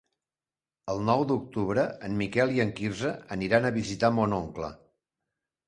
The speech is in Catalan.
El nou d'octubre en Miquel i en Quirze aniran a visitar mon oncle.